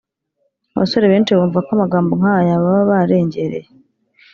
Abasore benshi bumva ko amagambo nkaya baba barengereye